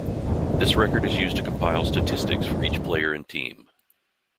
This record is used to compile statistics for each player and team.